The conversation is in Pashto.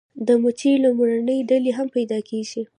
د مچیو لومړنۍ ډلې هم پیدا کیږي